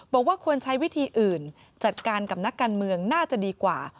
บอกว่าควรใช้วิธีอื่นจัดการกับนักการเมืองน่าจะดีกว่า